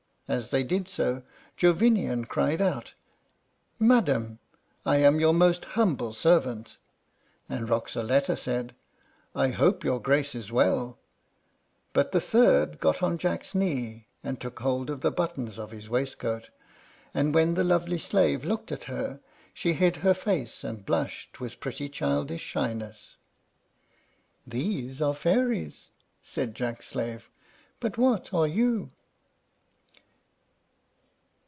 As they did so, Jovinian cried out, "Madam, I am your most humble servant"; and Roxaletta said, "I hope your Grace is well"; but the third got on Jack's knee, and took hold of the buttons of his waistcoat, and when the lovely slave looked at her, she hid her face and blushed with pretty childish shyness. "These are fairies," said Jack's slave; "but what are you?"